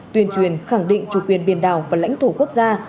tuyên truyền khẳng định chủ quyền biển đảo và lãnh thổ quốc gia